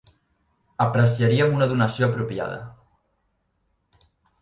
Apreciaríem una donació apropiada